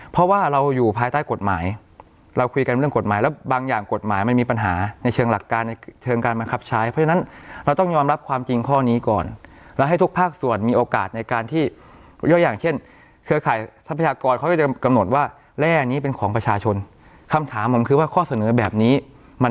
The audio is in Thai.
เพราะว่าเราอยู่ภายใต้กฎหมายเราคุยกันเรื่องกฎหมายแล้วบางอย่างกฎหมายมันมีปัญหาในเชิงหลักการในเชิงการบังคับใช้เพราะฉะนั้นเราต้องยอมรับความจริงข้อนี้ก่อนแล้วให้ทุกภาคส่วนมีโอกาสในการที่ยกอย่างเช่นเครือข่ายทรัพยากรเขาจะกำหนดว่าแร่นี้เป็นของประชาชนคำถามผมคือว่าข้อเสนอแบบนี้มัน